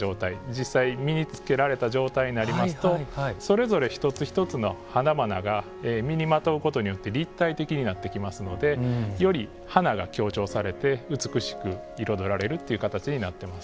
実際に身に着けられた状態になりますとそれぞれ一つ一つの花々が身にまとうことによって立体的になってきますのでより花が強調されて美しく彩られるという形になっています。